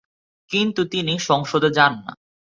কিন্তু তিনি সংসদে যান না।